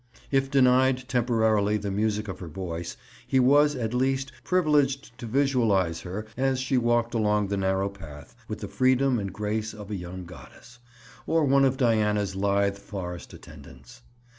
If denied, temporarily, the music of her voice, he was, at least, privileged to visualize her, as she walked along the narrow path with the freedom and grace of a young goddess, or one of Diana's lithe forest attendants.